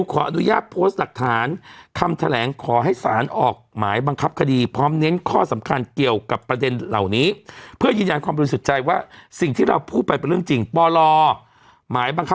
สุดท้ายแกก็โทรกลับมาตอนเย็นบอกโอเคเสียงดีขึ้นผมโอเคละ